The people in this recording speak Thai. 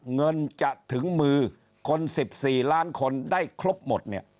เงินจะถึงมือคน๑๔ล้านคนได้ครบหมดเนี่ย